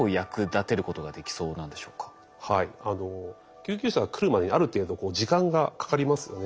救急車が来るまでにある程度時間がかかりますよね。